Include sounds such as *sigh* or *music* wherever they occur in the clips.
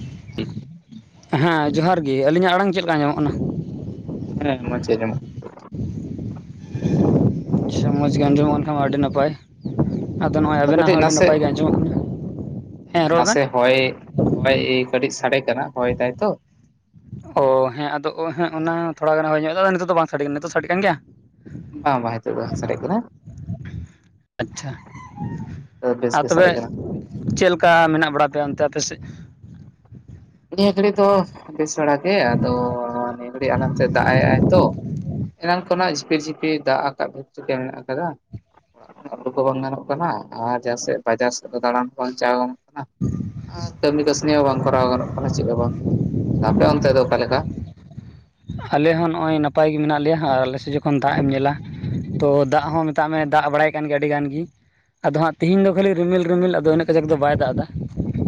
*inaudible* ᱦᱮᱸ ᱡᱚᱦᱟᱨ ᱜᱮ ᱟᱹᱞᱤᱧᱟᱜ ᱟᱲᱟᱝ ᱪᱮᱫ ᱞᱮᱠᱟ ᱟᱡᱚᱢᱚᱜ ᱠᱟᱱᱟ? ᱦᱮᱸ ᱢᱡᱽᱮ ᱟᱡᱚᱢ ᱥᱮ ᱢᱚᱡᱽ ᱜᱮ ᱠᱟᱱᱟ ᱟᱸᱡᱚᱢᱱ ᱠᱷᱟᱱ ᱟᱹᱰᱤ ᱱᱟᱯᱟᱭ ᱾ ᱟᱫᱚ ᱱᱚᱜᱼᱚᱭ ᱟᱵᱮᱱᱟᱜ ᱠᱟᱹᱴᱤᱡ ᱦᱚᱸ ᱟᱹᱰᱤ ᱱᱟᱥᱮ ᱱᱟᱯᱟᱭ ᱜᱮ ᱟᱸᱡᱚᱢᱚᱜ ᱠᱟᱱᱟ, ᱦᱮᱸ ᱨᱚᱲ ᱵᱮᱱ ᱾ ᱦᱚᱭ ᱦᱚᱭ ᱠᱟᱹᱴᱤᱡ ᱥᱟᱰᱮ ᱠᱟᱱᱟ ᱦᱚᱭ ᱛᱟᱭᱛᱚ ᱾ ᱚ ᱦᱮᱸ ᱟᱫᱚ ᱦᱮ ᱚᱱᱟ ᱛᱷᱚᱲᱟ ᱜᱟᱱ ᱧᱚᱜ ᱮ ᱱᱤᱛᱚᱜ ᱫᱚ ᱵᱟᱝ ᱥᱟᱰᱮ ᱠᱟᱱᱟ ᱱᱤᱛᱚᱜ ᱫᱚ ᱥᱟᱰᱮᱜ ᱠᱟᱱ ᱜᱮᱭᱟ? ᱵᱟᱝ ᱵᱟᱝ ᱦᱤᱛᱚᱫᱚ ᱵᱟᱝ ᱥᱟᱰᱮᱜ ᱠᱟᱱᱟ ᱾ ᱟᱪᱪᱷᱟ ᱵᱮᱥ ᱟᱨ ᱜᱮ ᱛᱚᱵᱮ ᱥᱟᱰᱮᱜ ᱠᱟᱱᱟ ᱪᱮᱫ ᱞᱮᱠᱟ ᱢᱮᱱᱟᱜ ᱵᱟᱲᱟ ᱯᱮᱭᱟ ᱚᱱᱛᱮ ᱟᱯᱮ ᱥᱮᱫ? ᱱᱤᱭᱟᱹ ᱜᱷᱟᱹᱲᱤᱡ ᱫᱚ ᱵᱮᱥ ᱵᱟᱲᱟᱜ ᱜᱮ, ᱟᱫᱚ ᱱᱤᱭᱟᱹ ᱜᱷᱟᱹᱲᱤᱡ ᱟᱛᱮ ᱫᱟᱜ ᱮᱜ ᱟᱭ ᱛᱚ ᱮᱱᱟᱱ ᱠᱷᱚᱱᱟᱜ ᱡᱤᱯᱤᱲ ᱡᱷᱤᱯᱤ ᱫᱟᱜ ᱟᱠᱟᱵ ᱵᱷᱤᱛᱮ ᱢᱮᱱᱟᱜ ᱟᱠᱟᱫᱟ ᱾ *inaudible* ᱵᱟᱝ ᱜᱟᱱᱚᱜ ᱠᱟᱱᱟ ᱟᱨ ᱡᱟᱦᱟ ᱥᱮᱫ ᱵᱟᱡᱟᱨ ᱥᱮᱫ ᱫᱚ ᱫᱟᱬᱟᱱ ᱦᱚᱸ *inaudible* ᱟᱨ ᱠᱟᱹᱢᱤ ᱠᱟᱹᱥᱱᱤ ᱦᱚᱸ ᱵᱟᱝ ᱠᱚᱨᱟᱣ ᱜᱟᱱᱚᱜ ᱠᱟᱱᱟ ᱪᱮᱫ ᱦᱚᱸ ᱟᱯᱮ ᱚᱱᱛᱮ ᱫᱚ ᱚᱠᱟ ᱞᱮᱠᱟ? ᱟᱞᱮ ᱦᱚᱸ ᱱᱚᱜ-ᱚᱭ ᱱᱟᱯᱟᱭ ᱜᱮ ᱢᱮᱱᱟᱜ ᱞᱮᱭᱟ ᱟᱨ ᱟᱞᱮ ᱥᱮᱡ ᱡᱚᱠᱷᱚᱱ ᱫᱟᱜ ᱮᱢ ᱧᱮᱞᱟ ᱛᱚ ᱫᱟᱜ ᱦᱚᱸ ᱢᱮᱛᱟᱜ ᱢᱮ ᱫᱟᱜ ᱵᱟᱲᱟᱭ ᱠᱟᱱᱜᱮ ᱟᱹᱰᱤ ᱜᱟᱱ ᱜᱮ᱾ ᱟᱫᱚ ᱦᱟᱜ ᱛᱤᱦᱤᱧ ᱫᱚ ᱠᱷᱟᱹᱞᱤ ᱨᱤᱢᱤᱞ ᱨᱤᱢᱤᱞ ᱟᱫᱚ ᱤᱱᱟᱹᱜ ᱠᱟᱡᱟᱠ ᱫᱚ ᱵᱟᱭ ᱫᱟᱜ ᱫᱟ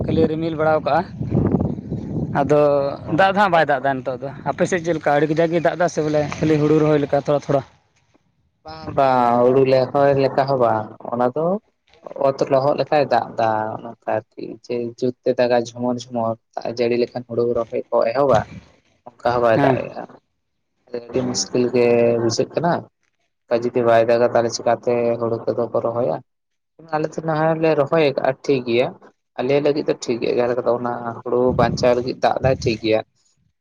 ᱠᱷᱟᱹᱞᱤ ᱨᱤᱢᱤᱞ ᱵᱟᱲᱟᱣ ᱠᱟᱜ-ᱟ ᱟᱫᱚ ᱚ ᱫᱟᱜ ᱫᱚ ᱦᱟᱜ ᱵᱟᱭ ᱫᱟᱜ ᱫᱟ ᱱᱤᱛᱚᱜ ᱫᱚ ᱟᱯᱮ ᱥᱮᱫ ᱪᱮᱫ ᱠᱟ ᱟᱹᱰᱤ ᱠᱟᱡᱟᱠ ᱜᱮ ᱫᱟᱜ ᱫᱟ ᱥᱮ ᱵᱚᱞᱮ ᱠᱷᱟᱹᱞᱤ ᱦᱩᱲᱩ ᱨᱚᱦᱚᱭ ᱞᱮᱠᱟ ᱛᱷᱚᱲᱟ ᱛᱷᱚᱲᱟ ᱵᱟᱝ ᱵᱟᱝ ᱦᱩᱲᱩ ᱞᱮ ᱞᱚᱦᱚᱭ ᱞᱮᱠᱟ ᱦᱚᱸ ᱵᱟᱝ ᱚᱱᱟ ᱫᱚ ᱚᱛ ᱞᱚᱦᱚᱫ ᱞᱮᱠᱟᱭ ᱫᱟᱜ ᱫᱟ ᱚᱱᱠᱟ ᱟᱨᱠᱤ ᱡᱮ ᱡᱩᱛ ᱛᱮ ᱫᱟᱜ-ᱟ᱾ ᱡᱷᱚᱢᱚᱨ ᱡᱷᱚᱢᱚᱨ ᱫᱟᱜ ᱡᱟᱹᱲᱤ ᱞᱮᱠᱷᱟᱱ ᱦᱩᱲᱩ ᱨᱚᱦᱚᱭ ᱠᱚ ᱮᱦᱚᱵᱟ ᱚᱱᱠᱟ ᱦᱚᱸ ᱵᱟᱭ ᱫᱟᱜ ᱦᱮᱸ ᱮᱜ-ᱟ᱾ ᱛᱟᱞᱮ ᱟᱹᱰᱤ ᱢᱩᱥᱠᱤᱞ ᱜᱮ ᱵᱩᱡᱷᱟᱹᱜ ᱠᱟᱱᱟ ᱚᱱᱠᱟ ᱡᱩᱫᱤ ᱵᱟᱭ ᱫᱟᱜ-ᱟ᱾ ᱛᱟᱦᱚᱞᱮ ᱪᱮᱠᱟᱛᱮ ᱦᱩᱲᱩ ᱠᱚᱫᱚ ᱠᱚ ᱨᱚᱦᱚᱭᱟ ᱟᱞᱮ ᱫᱚ ᱱᱟᱦᱟᱜ ᱞᱮ ᱨᱚᱦᱚᱭ ᱟᱠᱟᱜ-ᱟ᱾ ᱴᱷᱤᱠ ᱜᱮᱭᱟ ᱟᱞᱮ ᱞᱟᱹᱜᱤᱫ ᱫᱚ ᱴᱷᱤᱠ ᱜᱮᱭᱟ ᱚᱱᱟ ᱦᱩᱲᱩ ᱵᱟᱧᱪᱟᱣ ᱞᱟᱹᱜᱤᱫ ᱫᱟᱜ ᱫᱟᱭ ᱴᱷᱤᱠ ᱜᱮᱭᱟ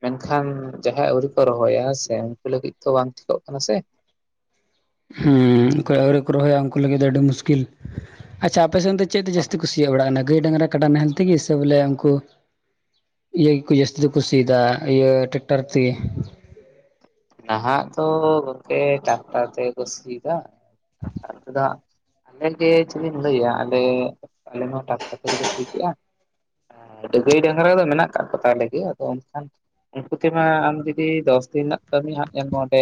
ᱢᱮᱱᱠᱷᱟᱱ ᱡᱟᱦᱟᱭ ᱟᱹᱣᱨᱤ ᱠᱚ ᱨᱚᱦᱚᱭᱟ ᱦᱮᱸ ᱥᱮ ᱩᱱᱠᱩ ᱞᱟᱹᱜᱤᱫ ᱛᱚ ᱵᱟᱝ ᱴᱷᱤᱠᱚᱜ ᱠᱟᱱᱟ ᱥᱮ ᱦᱮᱸ ᱚᱠᱚᱭ ᱟᱹᱣᱨᱤ ᱠᱚ ᱨᱚᱦᱚᱭᱟ ᱩᱱᱠᱩ ᱞᱟᱹᱜᱤᱫ ᱫᱚ ᱟᱹᱰᱤ ᱢᱩᱥᱠᱤᱞ ᱟᱪᱪᱷᱟ ᱟᱯᱮ ᱥᱮᱱ ᱫᱚ ᱪᱮᱫ ᱛᱮ ᱟᱨ ᱡᱟᱥᱛᱤ ᱠᱚ ᱥᱤ ᱪᱮᱫ ᱚᱲᱟᱜ ᱨᱮᱱᱟᱜ ᱜᱟᱹᱭ ᱰᱟᱝᱨᱟ ᱠᱟᱰᱟ ᱱᱟᱦᱮᱞ ᱛᱮᱜᱮ ᱥᱮ ᱵᱚᱞᱮ ᱩᱱᱠᱩ ᱤᱭᱟᱹ ᱜᱮᱠᱚ ᱡᱟᱹᱥᱛᱤ ᱫᱚᱠᱚ ᱥᱤᱭ ᱫᱟ ᱤᱭᱟᱹ ᱴᱮᱠᱴᱟᱨ ᱛᱮᱜᱮ ᱱᱟᱦᱟᱜ ᱫᱚ ᱜᱚᱝᱠᱮ ᱴᱟᱠᱴᱟᱨ ᱛᱮᱜᱮ ᱠᱚ ᱥᱤ ᱫᱟ ᱴᱟᱠᱴᱟᱨ ᱛᱮᱫᱚ ᱦᱟᱜ ᱟᱞᱮ ᱜᱮ ᱪᱮᱫᱤᱧ ᱞᱟᱹᱭᱟ ᱟᱞᱮ ᱟᱞᱮ ᱦᱚᱸ ᱴᱟᱠᱴᱟᱨ ᱛᱮᱜᱮ ᱞᱮ ᱥᱤ ᱠᱮᱜ-ᱟ᱾ ᱟᱫᱚ ᱜᱟᱹᱭ ᱰᱟᱝᱜᱽᱨᱟ ᱫᱚ ᱢᱮᱱᱟᱜ ᱠᱟᱫ ᱠᱚᱛᱟᱞᱮᱭᱟ ᱟᱫᱚ ᱮᱱᱠᱷᱟᱱ ᱩᱱᱠᱩ ᱛᱮᱢᱟ ᱟᱢ ᱡᱩᱫᱤ ᱫᱚᱥ ᱫᱤᱱ ᱨᱮᱱᱟᱜ ᱠᱟᱹᱢᱤ ᱦᱟᱜ ᱧᱮᱞ ᱢᱮ ᱚᱸᱰᱮ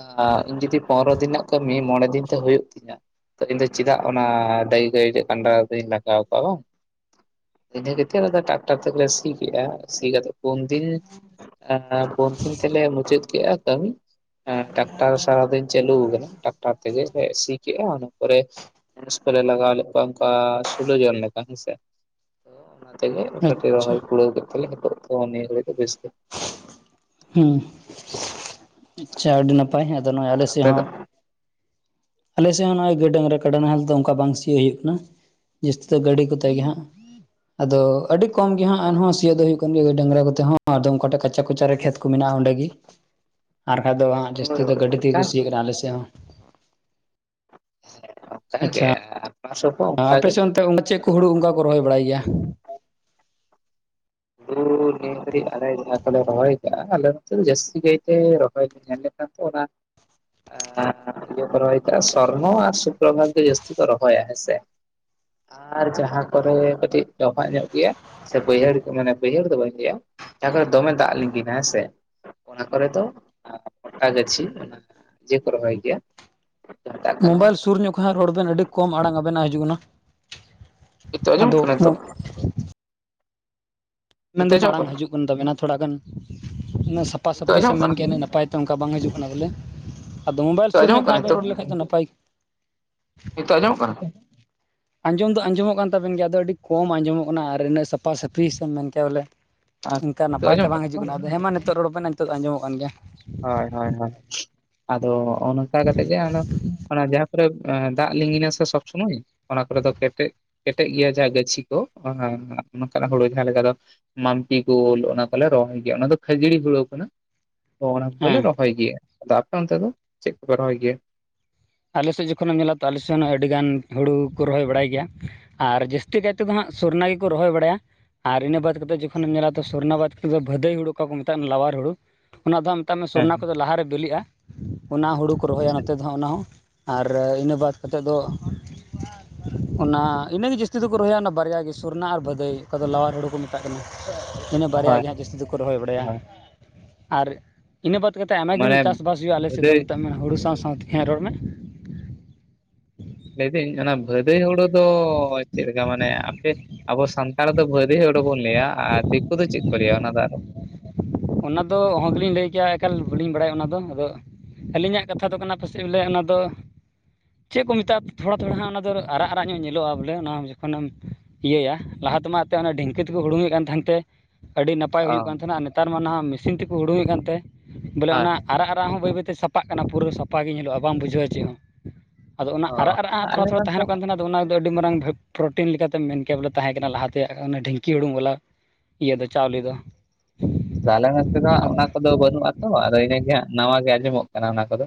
ᱟ ᱤᱧ ᱡᱩᱫᱤ ᱯᱚᱱᱫᱨᱚ ᱫᱤᱱ ᱨᱮᱱᱟᱜ ᱠᱟᱹᱢᱤ ᱢᱚᱬᱮ ᱫᱤᱱ ᱛᱮ ᱦᱩᱭᱩᱜ ᱛᱤᱧᱟᱹ ᱤᱧ ᱫᱚ ᱪᱮᱫᱟᱜ ᱚᱱᱟ ᱫᱟᱹᱭ ᱜᱟᱹᱭ ᱠᱟᱸᱰᱟ ᱫᱚᱧ ᱞᱟᱜᱟᱣ ᱠᱚᱣᱟ ᱦᱳ ᱤᱱᱟᱹ ᱠᱟᱛᱮᱫ ᱟᱫᱚ ᱴᱟᱠᱴᱟᱨ ᱛᱮᱞᱮ ᱥᱤ ᱠᱮᱜ-ᱟ᱾ ᱥᱤ ᱠᱟᱛᱮᱫ ᱯᱩᱱ ᱫᱤᱱ ᱟᱨ ᱯᱩᱱ ᱫᱤᱱ ᱛᱮᱞᱮ ᱢᱩᱪᱟᱹᱫ ᱠᱮᱫ-ᱟ᱾ ᱠᱟᱹᱢᱤ ᱮ ᱴᱟᱠᱴᱟᱨ ᱥᱟᱨᱟᱫᱤᱱ ᱪᱟᱞᱩ ᱟᱠᱟᱱᱟ ᱴᱟᱠᱴᱟᱨ ᱛᱮᱜᱮ ᱞᱮ ᱥᱤ ᱠᱮᱜ-ᱟ᱾ ᱚᱱᱟ ᱯᱚᱨᱮ ᱢᱩᱱᱤᱥ ᱠᱚᱞᱮ ᱞᱟᱜᱟᱣ ᱞᱮᱫ ᱠᱚᱣᱟ ᱚᱱᱠᱟ ᱥᱩᱞᱩ ᱡᱚᱱ ᱞᱮᱠᱟ ᱦᱮᱸ ᱥᱮ ᱛᱚ ᱚᱱᱟ ᱛᱮᱜᱮ ᱠᱟᱹᱴᱤᱡ ᱟᱪᱪᱷᱟ ᱨᱚᱦᱚᱭ ᱠᱩᱲᱟᱣ ᱠᱮᱫ ᱛᱮᱞᱮ ᱱᱤᱛᱚᱜ ᱫᱚ ᱱᱤᱭᱟᱹ ᱦᱟᱹᱞᱤ ᱫᱚ ᱵᱮᱥ ᱜᱮ ᱦᱩ ᱟᱪᱪᱷᱟ ᱟᱹᱰᱤ ᱱᱟᱯᱟᱭ ᱟᱫᱚ ᱱᱚᱜ-ᱚᱭ ᱟᱞᱮ ᱟᱨ ᱥᱮᱫ ᱟᱯᱮ ᱫᱚ? ᱦᱚᱸ ᱟᱞᱮ ᱥᱮᱫ ᱦᱚ ᱱᱚᱜ-ᱚᱭ ᱜᱟᱹᱭ ᱰᱟᱝᱨᱟ ᱠᱟᱰᱟ ᱱᱟᱦᱮᱞ ᱫᱚ ᱚᱱᱠᱟ ᱵᱟᱝ ᱥᱤ ᱦᱩᱭᱩᱜ ᱠᱟᱱᱟ ᱡᱟᱹᱥᱛᱤ ᱫᱚ ᱜᱟᱹᱰᱤ ᱠᱚᱛᱮ ᱜᱮ ᱦᱟᱜ ᱟᱫᱚ ᱟᱹᱰᱤ ᱠᱚᱢ ᱜᱮ ᱦᱟᱜ ᱮᱱᱦᱚᱸ ᱥᱤᱭᱳ ᱫᱚ ᱦᱩᱭᱩᱜ ᱠᱟᱱ ᱜᱮᱭᱟ ᱜᱟᱹᱭ ᱰᱟᱝᱨᱟ ᱠᱚᱛᱮ ᱦᱚ ᱟᱫᱚᱢ ᱚᱠᱟᱴᱷᱮᱱ ᱠᱟᱪᱟ ᱠᱚᱪᱟᱨᱮ ᱠᱷᱮᱛ ᱠᱚ ᱢᱮᱱᱟᱜ-ᱟ᱾ ᱚᱸᱰᱮ ᱜᱮ ᱟᱨ ᱵᱟᱠᱷᱟᱡ ᱫᱚ ᱦᱟᱜ ᱦᱳᱭ ᱡᱟᱹᱥᱛᱤ ᱫᱚ ᱦᱳᱭ ᱜᱟᱹᱰᱤ ᱛᱮᱜᱮ ᱠᱩ ᱚᱱᱠᱟᱜᱮ ᱥᱤᱭᱮᱫ ᱠᱟᱱᱟ ᱟᱞᱮ ᱥᱮᱫ ᱦᱚᱸ ᱟᱪᱪᱷᱟ *unintelligible* ᱟᱯᱮ ᱥᱮᱫ ᱚᱱᱛᱮ ᱪᱮᱫ ᱠᱚ ᱟᱫᱚ ᱦᱩᱲᱩ ᱚᱱᱠᱟ ᱠᱚ ᱨᱚᱦᱚᱭ ᱵᱟᱲᱟᱭ ᱜᱮᱭᱟ ᱦᱩᱲᱩ ᱱᱤᱭᱟᱹ ᱜᱷᱟᱹᱲᱤᱡ ᱟᱞᱮ ᱡᱟᱦᱟ ᱠᱚᱞᱮ ᱨᱚᱦᱚᱭ ᱟᱠᱟᱜ-ᱟ᱾ ᱟᱞᱮ ᱱᱚᱛᱮ ᱡᱟᱹᱥᱛᱤ ᱠᱟᱭᱛᱮ ᱨᱚᱦᱚᱭ ᱵᱮᱱ ᱧᱮᱞ ᱞᱮᱠᱷᱟᱱ ᱫᱚ ᱚᱱᱟ *unintelligible* ᱤᱭᱟᱹ ᱠᱚ ᱨᱚᱦᱚᱭ ᱠᱟᱜ-ᱟ᱾ᱥᱚᱨᱱᱚ ᱟᱨ ᱥᱩᱠᱚ ᱜᱚᱝᱠᱮ ᱡᱟᱹᱥᱛᱤ ᱠᱚ ᱨᱚᱦᱚᱭᱟ ᱦᱮᱸᱥᱮ ᱟᱨ ᱡᱟᱦᱟ ᱠᱚᱨᱮ ᱠᱟᱹᱴᱤᱡ ᱰᱚᱵᱟᱜ ᱧᱚᱜ ᱜᱮᱭᱟ ᱥᱮ ᱵᱟᱹᱭᱦᱟᱹᱲ ᱢᱟᱱᱮ ᱵᱟᱹᱭᱦᱟᱹᱲ ᱫᱚ ᱵᱟᱹᱧ ᱞᱟᱹᱭᱟ ᱡᱟᱦᱟ ᱠᱚ ᱨᱮ ᱫᱚ ᱫᱚᱢᱮ ᱫᱟᱜ ᱞᱤᱸᱜᱤᱱᱟ ᱦᱮᱸ ᱥᱮ ᱚᱱᱟ ᱠᱚᱨᱮ ᱫᱚ ᱯᱟᱴᱟ ᱜᱟᱹᱪᱷᱤ ᱚᱱᱟ ᱤᱭᱟᱹ ᱠᱚ ᱨᱚᱦᱚᱭ ᱜᱮᱭᱟ ᱡᱟᱦᱟᱸ ᱢᱮᱛᱟᱜ ᱠᱟᱱᱟ ᱢᱳᱵᱟᱭᱤᱞ ᱥᱩᱨ ᱧᱚᱜ ᱠᱷᱚᱡ ᱦᱟᱜ ᱨᱚᱲ ᱵᱮᱱ ᱟᱹᱰᱤ ᱠᱚᱢ ᱟᱲᱟᱝ ᱟᱵᱮᱱᱟᱜ ᱦᱤᱡᱩᱜ ᱠᱟᱱᱟ ᱱᱤᱛᱚᱜ ᱟᱸᱡᱚᱢᱚᱜ ᱟᱫᱚ ᱠᱟᱱᱟ ᱱᱤᱛᱚᱜ ᱱᱤᱛᱚᱜ ᱢᱮᱱᱫᱟᱹᱧ ᱟᱸᱡᱚᱢᱚᱜ ᱢᱟᱲᱟᱝ ᱠᱟᱱᱟ ᱦᱤᱡᱩᱜ ᱠᱟᱱ ᱛᱟᱵᱮᱱᱟ ᱛᱷᱚᱲᱟ ᱜᱟᱱ ᱩᱱᱟᱹᱜ ᱥᱟᱯᱷᱟ ᱱᱤᱛᱚᱜ ᱥᱟᱹᱯᱷᱤ ᱥᱮ ᱟᱸᱡᱚᱢᱚᱜ ᱢᱮᱱᱮ ᱠᱟᱱᱟ ᱠᱮᱭᱟ ᱤᱱᱟᱹᱜ ᱱᱟᱯᱟᱭ ᱛᱚ ᱚᱱᱠᱟ ᱵᱟᱝ ᱦᱤᱡᱩᱜ ᱠᱟᱱᱟ ᱵᱚᱞᱮ ᱟᱫᱚ ᱢᱳᱵᱟᱭᱤᱞ ᱱᱤᱛᱚᱜ ᱥᱩᱨ ᱧᱚᱜ ᱟᱸᱡᱚᱢᱚᱜ ᱠᱷᱚᱡ ᱠᱟᱱᱟ ᱦᱟᱜ ᱵᱮᱱ ᱱᱤᱛᱚᱜ ᱨᱚᱲ ᱞᱮᱠᱷᱟᱡ ᱫᱚ ᱱᱟᱯᱟᱭ ᱱᱤᱛᱚᱜ ᱟᱸᱡᱚᱢᱚᱜ *unintelligible* ᱟᱸᱡᱚᱢ ᱫᱚ ᱟᱸᱡᱚᱢᱚᱜ ᱠᱟᱱ ᱛᱟᱵᱮᱱ ᱜᱮᱭᱟ ᱟᱫᱚ ᱟᱹᱰᱤ ᱠᱚᱢ ᱟᱸᱡᱚᱢᱚᱜ ᱠᱟᱱᱟ ᱟᱨ ᱤᱱᱟᱹᱜ ᱥᱟᱯᱷᱟ ᱥᱟᱹᱯᱷᱤ ᱥᱮ ᱢᱮᱱ ᱠᱮ ᱵᱚᱞᱮ ᱚᱱᱠᱟ ᱠᱟᱱᱟ ᱱᱤᱛᱚᱜ ᱱᱟᱯᱟᱭ ᱛᱮ ᱟᱸᱡᱚᱢᱚᱜ ᱵᱟᱝ ᱦᱤᱡᱩᱜ ᱛᱚ ᱠᱟᱱᱟ ᱟᱫᱚ ᱦᱮᱸ ᱢᱟ ᱱᱤᱛᱚᱜ ᱨᱚᱲ ᱵᱮᱱ ᱱᱤᱛᱚᱜ ᱫᱚ ᱟᱸᱡᱚᱢᱚᱜ ᱠᱟᱱ ᱜᱮᱭᱟ ᱦᱳᱭ ᱦᱳᱭ ᱦᱳᱭ ᱟᱫᱚ ᱚᱱᱠᱟ ᱠᱟᱛᱮ ᱜᱮ ᱚᱱᱟ ᱡᱟᱦᱟᱸ ᱫᱟᱜ ᱞᱤᱸᱜᱤᱱᱟᱥᱮ ᱥᱚᱵᱽ ᱥᱚᱢᱚᱭ ᱚᱱᱟ ᱠᱚᱨᱮ ᱫᱚ ᱠᱮᱴᱮᱡ ᱠᱮᱴᱮᱡ ᱜᱮᱭᱟ ᱡᱟᱦᱟᱸ ᱜᱟᱹᱪᱷᱤ ᱠᱚ ᱱᱚᱝᱠᱟᱱᱟᱜ ᱦᱩᱲᱩ ᱡᱟᱦᱟᱸ ᱞᱮᱠᱟ ᱫᱚ ᱢᱟᱞᱴᱤ ᱜᱳᱞ ᱚᱱᱟ ᱠᱚᱞᱮ ᱨᱚᱦᱚᱭ ᱜᱮᱭᱟ ᱚᱱᱟ ᱫᱚ ᱠᱷᱟᱹᱡᱟᱹᱲᱤ ᱦᱩᱲᱩ ᱠᱟᱱᱟ ᱚᱱᱟ ᱠᱚᱞᱮ ᱦᱮᱸ ᱨᱚᱦᱚᱭ ᱜᱮᱭᱟ ᱟᱫᱚ ᱟᱯᱮ ᱚᱱᱛᱮ ᱫᱚ ᱪᱮᱫ ᱠᱚᱯᱮ ᱨᱚᱦᱚᱭ ᱜᱮᱭᱟ ᱟᱞᱮ ᱥᱮᱫ ᱡᱚᱠᱷᱚᱱᱮᱢ ᱧᱮᱞᱟ ᱛᱚ ᱟᱞᱮ ᱥᱮᱫ ᱦᱚᱸ ᱟᱹᱰᱤᱜᱟᱱ ᱦᱩᱲᱩ ᱠᱚ ᱨᱚᱦᱚᱭ ᱵᱟᱲᱟᱭ ᱜᱮᱭᱟ ᱟᱨ ᱡᱟᱹᱥᱛᱤ ᱠᱟᱭ ᱛᱮᱫᱚ ᱦᱟᱸᱜ ᱥᱚᱨᱳᱱᱟ ᱜᱮᱠᱚ ᱨᱚᱦᱚᱭ ᱵᱟᱲᱟᱭᱟ᱾ ᱟᱨ ᱤᱱᱟᱹ ᱵᱟᱫᱽ ᱠᱟᱛᱮᱫ ᱡᱚᱠᱷᱚᱱᱮᱢ ᱧᱮᱞᱟ ᱥᱚᱨᱱᱟ ᱵᱟᱫ ᱠᱟᱛᱮᱫ ᱵᱷᱟᱹᱫᱟᱹᱭ ᱦᱩᱲᱩ ᱚᱠᱟ ᱠᱚ ᱢᱮᱛᱟᱜᱼᱟ, ᱞᱟᱣᱟᱨ ᱦᱩᱲᱩ᱾ ᱚᱱᱟ ᱫᱚ ᱦᱟᱸᱜ ᱢᱮᱛᱟᱜ ᱢᱮ ᱦᱮᱸ ᱥᱚᱨᱳᱱᱟ ᱠᱚᱫᱚ ᱞᱟᱦᱟᱨᱮ ᱵᱤᱞᱤᱜᱼᱟ ᱚᱱᱟ ᱦᱩᱲᱩ ᱠᱚ ᱨᱚᱦᱚᱭᱟ ᱟᱪᱪᱷᱟ ᱱᱚᱛᱮ ᱫᱚ ᱦᱟᱸᱜ ᱚᱱᱟ ᱦᱚᱸ ᱟᱨ ᱤᱱᱟᱹ ᱵᱟᱫ ᱠᱟᱛᱮᱫ ᱫᱚ᱾ ᱚᱱᱟ ᱤᱱᱟᱹᱜ ᱜᱮ ᱡᱟᱹᱥᱛᱤ ᱫᱚᱠᱚ ᱨᱚᱦᱚᱭᱟ ᱚᱱᱟ ᱵᱟᱨᱭᱟ ᱜᱮ ᱥᱚᱨᱩᱱᱟ ᱟᱨ ᱵᱟᱹᱫᱟᱹᱭ ᱚᱠᱟ ᱫᱚ ᱞᱟᱣᱟᱨ ᱦᱩᱲᱩ ᱠᱚ ᱢᱮᱛᱟᱜᱼᱟ ᱛᱟᱜ ᱠᱟᱱᱟ ᱤᱱᱟᱹ ᱵᱟᱨᱭᱟ ᱦᱳᱭ ᱜᱮ ᱦᱟᱸᱜ ᱡᱟᱹᱥᱛᱤ ᱫᱚᱠᱚ ᱨᱚᱦᱚᱭ ᱵᱟᱲᱟᱭᱟ ᱟᱨ ᱤᱱᱟᱹ ᱵᱟᱫ ᱠᱟᱛᱮᱫ ᱟᱭᱢᱟ ᱜᱟᱱ ᱢᱟᱱᱮ ᱪᱟᱥᱵᱟᱥ ᱦᱩᱭᱩᱜᱼᱟ ᱟᱞᱮᱥᱮᱫ ᱫᱚ ᱵᱷᱟᱹᱫᱟᱹᱭ ᱢᱮᱛᱟᱜ ᱢᱮ ᱦᱩᱲᱩ ᱥᱟᱶᱛᱮ ᱦᱮᱸ ᱨᱚᱲ ᱢᱮ ᱞᱟᱹᱭᱫᱟᱹᱧ ᱚᱱᱟ ᱵᱷᱟᱹᱫᱟᱹᱭ ᱦᱩᱲᱩ ᱫᱚ ᱪᱮᱫ ᱞᱮᱠᱟ ᱢᱟᱱᱮ ᱟᱯᱮ ᱟᱵᱚ ᱥᱟᱱᱛᱟᱲ ᱫᱚ ᱵᱷᱟᱹᱫᱤ ᱦᱩᱲᱩ ᱵᱚᱱ ᱞᱟᱹᱭᱟ ᱟᱨ ᱫᱤᱠᱩ ᱫᱚ ᱪᱮᱫ ᱠᱚ ᱞᱟᱹᱭᱟ ᱚᱱᱟ ᱫᱚ ᱟᱨᱚ ᱚᱱᱟ ᱫᱚ ᱚᱦᱚᱜᱮᱞᱤᱧ ᱞᱟᱹᱭ ᱠᱮᱭᱟ ᱮᱠᱟᱞ ᱵᱟᱞᱤᱧ ᱵᱟᱲᱟᱭᱟ ᱚᱱᱟᱫᱚ ᱟᱫᱚ᱾ ᱟᱹᱞᱤᱧᱟᱜ ᱠᱟᱛᱷᱟ ᱫᱚ ᱠᱟᱱᱟ ᱯᱟᱥᱮᱡ ᱵᱚᱞᱮ ᱚᱱᱟ ᱫᱚ ᱪᱮᱫ ᱠᱚ ᱢᱮᱛᱟᱜᱼᱟ ᱛᱷᱚᱲᱟ ᱛᱷᱚᱲᱟ ᱦᱟᱸᱜ ᱚᱱᱟ ᱫᱚ ᱟᱨᱟᱜ ᱟᱨᱟᱜ ᱧᱚᱜ ᱧᱮᱞᱚᱜᱼᱟ ᱵᱚᱞᱮ ᱚᱱᱟ ᱡᱚᱠᱷᱚᱱᱮᱢ ᱤᱭᱟᱹᱭᱟ ᱞᱟᱦᱟ ᱛᱮᱢᱟ ᱮᱛᱮᱫ ᱚᱱᱟ ᱰᱷᱤᱝᱠᱤ ᱛᱮᱠᱚ ᱦᱩᱲᱩᱝ ᱮᱮᱫ ᱠᱟᱱ ᱛᱟᱦᱮᱸᱱ ᱛᱮ ᱟᱹᱰᱤ ᱱᱟᱯᱟᱭ ᱚ ᱦᱩᱭᱩᱜ ᱠᱟᱱ ᱛᱟᱦᱮᱱᱟ ᱟᱨ ᱱᱮᱛᱟᱨ ᱢᱟ ᱱᱟᱦᱟᱜ ᱢᱮᱥᱤᱱ ᱛᱮᱠᱚ ᱦᱩᱲᱩᱮᱫ ᱠᱟᱱᱛᱮ ᱵᱚᱞᱮ ᱦᱳᱭ ᱚᱱᱟ ᱟᱨᱟᱜ ᱫᱟᱜ ᱦᱚᱸ ᱵᱟᱹᱭ ᱵᱟᱹᱭᱛᱮ ᱥᱟᱯᱟᱜ ᱠᱟᱱᱟ ᱯᱩᱨᱟᱹ ᱥᱟᱯᱷᱟᱜ ᱜᱮ ᱧᱮᱞᱚᱜᱼᱟ ᱵᱟ ᱵᱩᱡᱷᱟᱹᱜᱼᱟ ᱪᱮᱫ ᱦᱚᱸ ᱟᱫᱚ ᱚᱱᱟ ᱚ ᱟᱨᱟᱜ ᱟᱨᱟᱜ ᱦᱚᱸ ᱛᱷᱚᱲᱟ ᱟᱞᱮ ᱛᱷᱚᱲᱟ ᱱᱚᱛᱮ ᱛᱟᱦᱮᱱᱚᱜ ᱠᱟᱱ ᱛᱟᱦᱮᱱᱟ, ᱟᱫᱚ ᱚᱱᱟᱫᱚ ᱟᱹᱰᱤ ᱢᱟᱨᱟᱝ ᱯᱨᱚᱴᱤᱱ ᱞᱮᱠᱟᱛᱮ ᱢᱮᱱᱠᱮ ᱵᱚᱞᱮ ᱛᱟᱦᱮᱸ ᱠᱟᱱᱟ ᱞᱟᱦᱟᱛᱮ ᱰᱷᱤᱝᱠᱤ ᱦᱩᱲᱩ ᱵᱟᱞᱟ᱾ ᱤᱭᱟᱹ ᱫᱚ ᱪᱟᱣᱞᱮ ᱫᱚ ᱟ ᱟᱞᱮ ᱢᱮᱱᱛᱮᱫ ᱫᱚ ᱦᱟᱸᱜ ᱟᱫᱚ ᱚᱱᱟ ᱠᱚᱫᱚ ᱵᱟᱹᱱᱩᱜᱼᱟᱛᱚ ᱟᱫᱚ ᱤᱱᱟᱹᱜ ᱜᱮ ᱦᱟᱸᱜ ᱱᱟᱣᱟ ᱜᱮ ᱟᱸᱡᱚᱢᱚᱜ ᱠᱟᱱᱟ ᱚᱱᱟ ᱠᱚᱫᱚ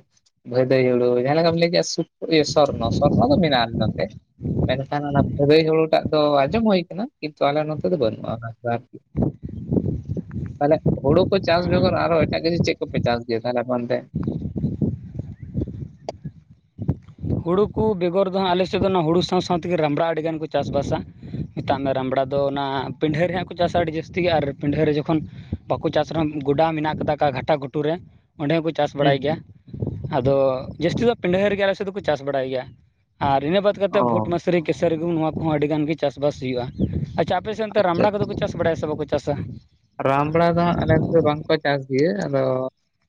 ᱵᱷᱟᱹᱭᱫᱟᱹᱭ ᱦᱳᱲᱩ ᱡᱟᱦᱟᱸ ᱞᱮᱠᱟᱢ ᱞᱟᱹᱭ ᱠᱮᱫᱮᱜᱭᱟ ᱥᱩᱠ ᱤᱭᱟᱹ ᱥᱟᱨᱱᱟ ᱫᱚ ᱢᱮᱱᱟᱜ ᱟ ᱱᱚᱛᱮ ᱢᱮᱱᱠᱷᱟᱱ ᱚᱱᱟ ᱵᱷᱟᱫᱟᱭ ᱦᱩᱲᱩ ᱮᱴᱟᱜ ᱫᱚ ᱟᱸᱡᱚᱢ ᱦᱩᱭ ᱟᱠᱟᱱᱟ ᱠᱤᱱᱛᱩ ᱟᱞᱮ ᱱᱚᱛᱮ ᱫᱚ ᱵᱟᱹᱱᱩᱜᱼᱟ ᱚᱱᱟ ᱟᱨᱠᱤ᱾ ᱛᱟᱦᱚᱞᱮ ᱦᱩᱲᱩ ᱠᱚ ᱪᱟᱥ ᱦᱮᱸ ᱵᱮᱜᱚᱨ ᱟᱨᱚ ᱮᱴᱟᱜ ᱠᱤᱪᱷᱤ ᱪᱮᱫ ᱠᱚᱯᱮ ᱪᱟᱥ ᱜᱮᱭᱟ ᱛᱟᱦᱞᱮ ᱚᱱᱛᱮ? ᱦᱩᱲᱩ ᱠᱚ ᱵᱮᱜᱚᱨ ᱫᱚ ᱦᱟᱸᱜ ᱟᱞᱮ ᱥᱮᱫ ᱫᱚ ᱚᱱᱟ ᱦᱩᱲᱩ ᱥᱟᱶ ᱥᱟᱶ ᱛᱮᱜᱮ ᱨᱟᱢᱲᱟ ᱟᱹᱰᱤᱜᱟᱱ ᱠᱚ ᱪᱟᱥᱵᱟᱥᱟ᱾ ᱢᱮᱛᱟᱜ ᱢᱮ ᱨᱟᱢᱲᱟ ᱫᱚ ᱚᱱᱟ ᱯᱤᱰᱷᱟᱹ ᱨᱮᱭᱟᱜ ᱦᱟᱸᱜ ᱠᱚ ᱪᱟᱥᱟ ᱟᱹᱰᱤ ᱡᱟᱹᱥᱛᱤ ᱜᱮ ᱟᱨ ᱯᱤᱰᱷᱟᱹ ᱨᱮ ᱡᱚᱠᱷᱚᱱ ᱵᱟᱠᱚ ᱪᱟᱥ ᱨᱮᱚᱸ ᱜᱚᱰᱟ ᱢᱮᱱᱟᱜ ᱟᱠᱟᱫᱟ ᱟᱠᱟ ᱜᱷᱟᱴᱟ ᱜᱷᱩᱩᱨ ᱨᱮ ᱚᱸᱰᱮ ᱠᱚ ᱪᱟᱥ ᱵᱟᱲᱟᱭ ᱜᱮᱭᱟ ᱟᱫᱚ ᱡᱟᱹᱥᱛᱤ ᱫᱚ ᱯᱤᱰᱟᱹ ᱨᱮᱜᱮ ᱟᱞᱮ ᱥᱮᱫ ᱫᱚᱠᱚ ᱪᱟᱥ ᱵᱟᱲᱟᱭ ᱜᱮᱭᱟ᱾ ᱟᱨ ᱤᱱᱟᱹ ᱵᱟᱫ ᱠᱟᱛᱮᱫ ᱵᱷᱩᱴ ᱚ ᱢᱟᱥᱨᱤ ᱠᱮᱥᱟᱨᱤ ᱱᱚᱣᱟ ᱠᱚᱦᱚᱸ ᱟᱹᱰᱤ ᱜᱟᱱ ᱜᱮ ᱪᱟᱥᱵᱟᱥ ᱦᱩᱭᱩᱜᱼᱟ᱾ ᱪᱟ ᱟᱯᱮ ᱥᱮ ᱚᱱᱛᱮ ᱟᱪᱪᱷᱟ ᱨᱟᱢᱲᱟ ᱠᱚᱫᱚ ᱠᱚ ᱪᱟᱥ ᱵᱟᱲᱟᱭᱟ ᱥᱮ ᱵᱟᱠᱚ ᱪᱟᱥᱟ? ᱨᱟᱢᱲᱟ ᱫᱚ ᱦᱟᱸᱜ ᱟᱞᱮ ᱥᱮᱫ ᱵᱟᱝᱠᱚ ᱪᱟᱥ ᱜᱮᱭᱟ ᱟᱫᱚ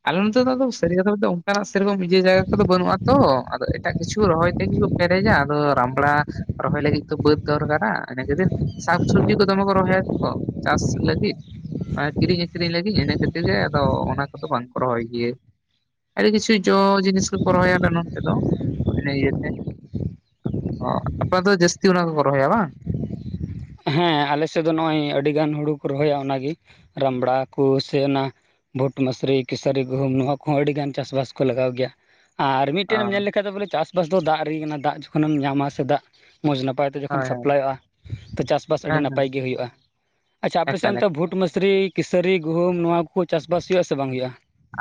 ᱟᱞᱮ ᱱᱚᱛᱮ ᱫᱚ ᱥᱟᱹᱨᱤ ᱠᱟᱛᱷᱟ ᱚᱱᱠᱟᱱᱟᱜ ᱥᱮᱨᱚᱠᱚᱢ ᱤᱭᱟᱹ ᱡᱟᱭᱜᱟ ᱠᱚᱫᱚ ᱵᱟᱹᱱᱩᱜ ᱟ ᱛᱚ ᱟᱫᱚ ᱮᱴᱟᱜ ᱠᱤᱪᱷᱩ ᱨᱚᱦᱚᱭ ᱛᱮᱜᱮ ᱯᱮᱨᱮᱡᱟ ᱟᱫᱚ ᱨᱟᱢᱲᱟ ᱨᱚᱦᱚᱭ ᱞᱟᱹᱜᱤᱫ ᱛᱚ ᱵᱟᱹᱫ ᱫᱚᱨᱠᱟᱨᱟ ᱤᱱᱟᱹ ᱠᱷᱟᱹᱛᱤᱨ ᱥᱟᱠᱥᱚᱵᱽᱡᱤ ᱠᱚ ᱫᱚᱢᱮ ᱠᱚ ᱨᱚᱦᱚᱭᱭᱟ ᱛᱚ ᱪᱟᱥ ᱞᱟᱹᱜᱤᱫ ᱠᱤᱨᱤᱧ ᱟᱠᱠᱷᱨᱤᱧ ᱞᱟᱹᱜᱤᱫ ᱤᱱᱟᱹ ᱠᱷᱟᱹᱛᱤᱨ ᱜᱮ ᱟᱫᱚ ᱚᱱᱟ ᱠᱚᱫᱚ ᱵᱟᱝᱠᱚ ᱨᱚᱦᱚᱭ ᱜᱮᱭᱟ᱾ ᱟᱹᱰᱤ ᱠᱤᱪᱷᱩ ᱡᱚ ᱡᱤᱱᱤᱥ ᱠᱚᱠᱚ ᱨᱚᱦᱚᱭᱟᱞᱮ ᱱᱚᱱᱛᱮ ᱫᱚ ᱤᱱᱟᱹ ᱤᱭᱟᱹᱛᱮ ᱟᱯᱮ ᱚᱱᱛᱮ ᱫᱚ ᱡᱟᱹᱥᱛᱤ ᱚᱱᱟ ᱠᱚ ᱨᱚᱦᱚᱭᱟ ᱵᱟᱝ ᱦᱮᱸ ᱟᱞᱮᱥᱮᱫ ᱫᱚ ᱱᱚᱜ ᱚᱭ ᱟᱹᱰᱤ ᱜᱟᱱ ᱦᱩᱲᱩ ᱠᱚ ᱨᱚᱦᱚᱭᱟ ᱚᱱᱟᱜᱮ ᱨᱟᱢᱲᱟ ᱠᱚ ᱥᱮ ᱚᱱᱟ ᱵᱷᱩᱴ, ᱢᱟᱥᱨᱤ, ᱠᱮᱥᱟᱹᱨᱤ, ᱜᱩᱦᱩᱢ ᱱᱚᱣᱟ ᱠᱚᱦᱚᱸ ᱟᱹᱰᱤ ᱜᱟᱱ ᱪᱟᱥᱵᱟᱥ ᱠᱚ ᱞᱟᱜᱟᱣ ᱜᱮᱭᱟ᱾ ᱟᱨ ᱚ ᱢᱤᱫᱴᱮᱱ ᱮᱢ ᱧᱮᱞ ᱞᱮᱠᱷᱟᱱᱡ ᱵᱚᱞᱮ ᱪᱟᱥᱵᱟᱥ ᱫᱚ ᱫᱟᱜ ᱨᱮᱜᱤ ᱠᱟᱱᱟ ᱫᱟᱜ ᱡᱚᱠᱷᱚᱱᱮᱢ ᱧᱟᱢᱟ ᱥᱮ ᱫᱟᱜ ᱢᱚᱸᱡᱽ ᱱᱟᱯᱟᱭ ᱡᱚᱠᱷᱚᱱ ᱦᱳᱭ ᱦᱳᱭ ᱥᱟᱯᱞᱟᱭᱚᱜᱼᱟ ᱛᱚ ᱪᱟᱥᱵᱟᱥ ᱟᱹᱰᱤ ᱦᱮᱸ ᱦᱮᱸ ᱱᱟᱯᱟᱭ ᱜᱮ ᱦᱩᱭᱩᱜᱼᱟ ᱟᱪᱪᱷᱟ ᱟᱯᱮᱥᱮᱫ ᱮᱠᱟᱞ ᱮᱠᱟᱞ ᱚᱱᱛᱮ ᱵᱷᱩᱴ ᱢᱟᱥᱨᱤ, ᱠᱤᱥᱟᱹᱨᱤ, ᱜᱩᱦᱩᱢ ᱱᱚᱣᱟ ᱠᱚ ᱪᱟᱥᱵᱟᱥ ᱦᱩᱭᱩᱜᱼᱟ ᱥᱮ ᱵᱟᱝ ᱦᱩᱭᱩᱜᱼᱟ?